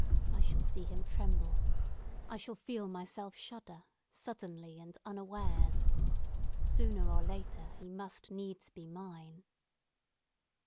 I shall see him tremble. I shall feel myself shudder, suddenly and unawares. Sooner or later, he must needs be mine."